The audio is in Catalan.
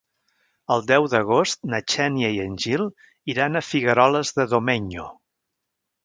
El deu d'agost na Xènia i en Gil iran a Figueroles de Domenyo.